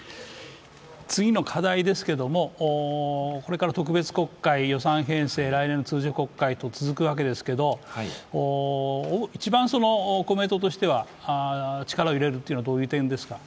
次の課題ですけどこれから特別国会、予算編成、来年の通常国会と続くわけですけど一番公明党としては力を入れるのはどういう点ですか？